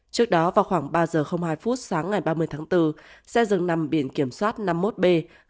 trước đó vào khoảng ba giờ hai phút sáng ngày ba mươi tháng bốn xe dừng nằm biển kiểm soát năm mươi một b hai mươi chín nghìn bốn trăm tám mươi chín